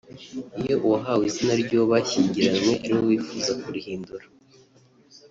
Iyo uwahawe izina ry’uwo bashyingiranywe ari we wifuza kurihindura